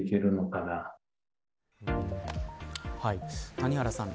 谷原さん